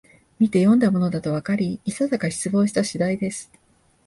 みてよんだものだとわかり、いささか失望した次第です